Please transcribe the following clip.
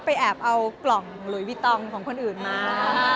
แอบเอากล่องหลุยวิตองของคนอื่นมา